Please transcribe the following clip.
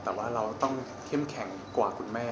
แต่ว่าเราต้องเข้มแข็งกว่าคุณแม่